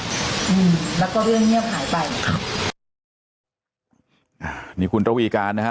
อืมแล้วก็เรื่องเงียบหายไปครับอ่านี่คุณระวีการนะฮะ